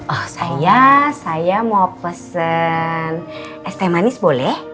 oh saya saya mau pesen es teh manis boleh